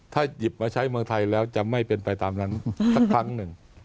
ถ้าหยิบมาใช้เมืองไทยแล้วจะไม่เป็นไปตามนั้นสักครั้งหนึ่ง